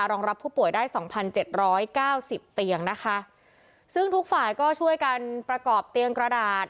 รับผู้ป่วยได้สองพันเจ็ดร้อยเก้าสิบเตียงนะคะซึ่งทุกฝ่ายก็ช่วยกันประกอบเตียงกระดาษ